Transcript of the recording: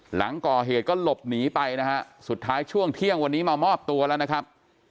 หลังก่อเหตุก็หลบหนีไปนะฮะสุดท้ายช่วงเที่ยงวันนี้มามอบตัวแล้วนะครับ